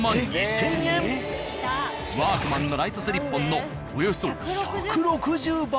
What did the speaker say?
「ワークマン」のライトスリッポンのおよそ１６０倍！